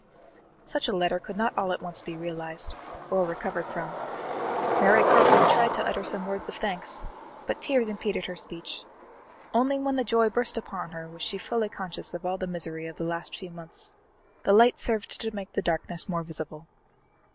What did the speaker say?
'" Such a letter could not all at once be realized, or recovered from. Mary Crawford tried to utter some words of thanks, but tears impeded her speech. Only when the joy burst upon her was she fully conscious of all the misery of the last few months; the light served to make the darkness more visible.